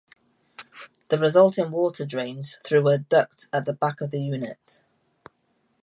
The resulting water drains through a duct at the back of the unit.